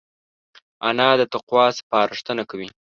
انا د تقوی سپارښتنه کوي